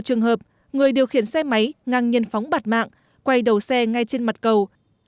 trường hợp người điều khiển xe máy ngang nhiên phóng bạt mạng quay đầu xe ngay trên mặt cầu